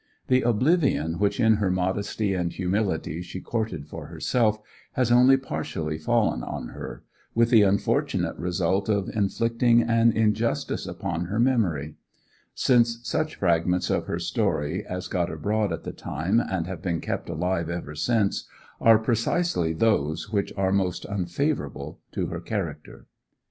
The oblivion which in her modesty and humility she courted for herself has only partially fallen on her, with the unfortunate result of inflicting an injustice upon her memory; since such fragments of her story as got abroad at the time, and have been kept alive ever since, are precisely those which are most unfavourable to her character.